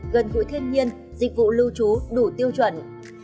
gần gũi thiên nhiên dịch vụ lưu trú đủ tiêu chuẩn